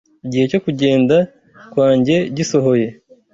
igihe cyo kugenda kwanjye gisohoye